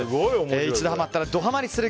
一度ハマったらドハマりする